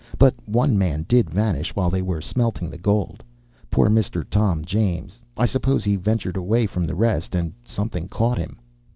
But one man did vanish while they were smelting the gold. Poor Mr. Tom James. I suppose he ventured away from the rest, and something caught him."